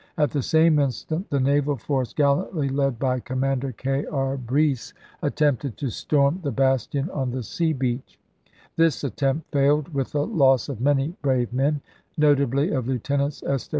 At the same instant the naval force gallantly led by Commander K. R. Breese attempted to storm the bastion on the sea beach. This attempt failed, with the loss of many brave men ; notably of Lieutenants S.